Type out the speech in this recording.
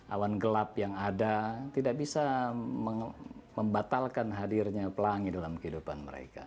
awan gelap yang ada tidak bisa membatalkan hadirnya pelangi dalam kehidupan mereka